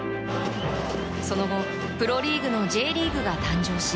その後、プロリーグのＪリーグが誕生し